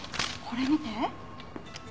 これ見て。